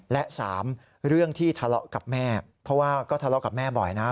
และ๓เรื่องที่ทะเลาะกับแม่เพราะว่าก็ทะเลาะกับแม่บ่อยนะ